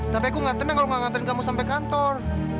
tapi aku gak tenang kalau nggak nganterin kamu sampai kantor